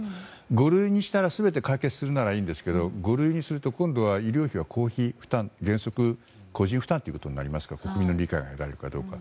五類にしたら全て解決するならいいんですけど五類にしたら今度は医療費は公費負担、原則個人負担ということになりますから国民の理解を得られるかどうか。